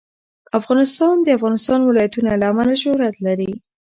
افغانستان د د افغانستان ولايتونه له امله شهرت لري.